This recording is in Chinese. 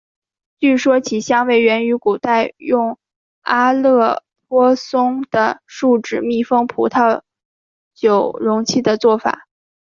据说其香味源于古代用阿勒颇松的树脂密封葡萄酒容器的做法。